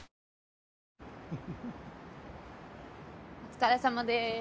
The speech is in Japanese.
お疲れさまでーす。